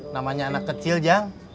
namanya anak kecil jang